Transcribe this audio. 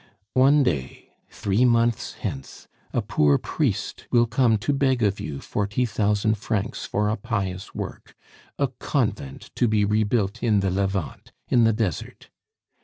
One day, three months hence, a poor priest will come to beg of you forty thousand francs for a pious work a convent to be rebuilt in the Levant in the desert.